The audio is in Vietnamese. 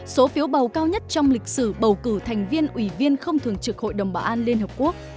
số phiếu bầu cao nhất trong lịch sử bầu cử thành viên ủy viên không thường trực hội đồng bảo an liên hợp quốc